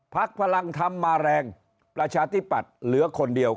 พลังธรรมมาแรงประชาธิปัตย์เหลือคนเดียว